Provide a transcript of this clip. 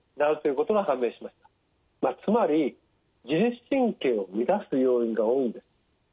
まあつまり自律神経を乱す要因が多いんです。